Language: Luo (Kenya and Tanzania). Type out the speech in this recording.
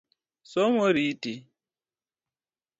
Somo riti.